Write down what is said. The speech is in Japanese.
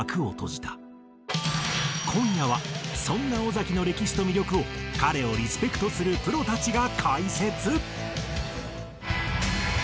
今夜はそんな尾崎の歴史と魅力を彼をリスペクトするプロたちが解説。